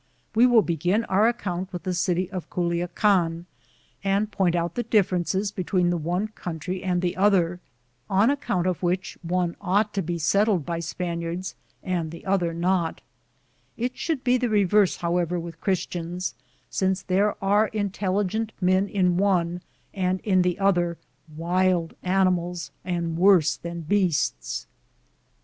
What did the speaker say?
We will begin our account with the city of Culiacan, and point out the differ ences between the one country and the other, on account of which one ought to be settled by Spaniards and the other not. It should be the reverse, however, with Christians,. 'The Newfoundland region. am Google THE JOURNEY OP OORONADO. since there are intelligent men in one, and in the other wild wnimalH and worse than beasts.